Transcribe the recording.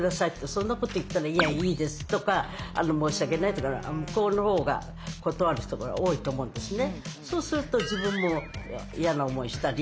そんなこと言ったら「いやいいです」とか「申し訳ない」とか向こうの方が断わる人が多いと思うんですね。